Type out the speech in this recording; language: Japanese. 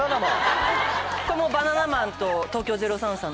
これもバナナマンと東京０３さん。